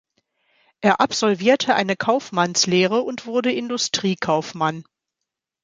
Er absolvierte eine Kaufmannslehre und wurde Industriekaufmann.